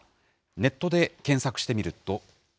ネットで検索してみると。